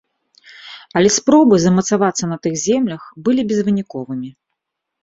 Але спробы замацавацца на тых землях былі безвыніковымі.